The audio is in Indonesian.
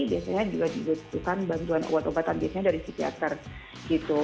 biasanya juga dibutuhkan bantuan obat obatan biasanya dari psikiater gitu